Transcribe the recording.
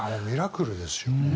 ミラクルですよ。